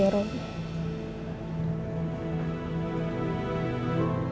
jadikan anakmu itu